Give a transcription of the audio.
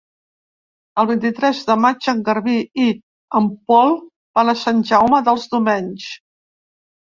El vint-i-tres de maig en Garbí i en Pol van a Sant Jaume dels Domenys.